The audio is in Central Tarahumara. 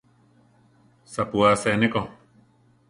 Sapú asé ne ko.